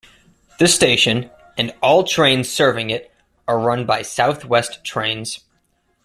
The station, and all trains serving it, are run by South West Trains.